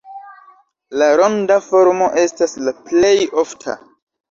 La ronda formo estas la plej ofta.